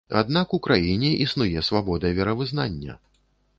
Аднак, у краіне існуе свабода веравызнання.